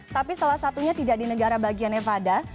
tapi salah satunya tidak di negara bagian evada